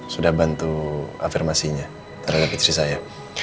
sudah bantu afirmasinya terhadap istri saya